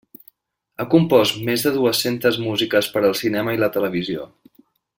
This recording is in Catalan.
Ha compost més de dues-centes músiques per al cinema i la televisió.